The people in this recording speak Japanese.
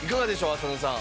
浅野さん。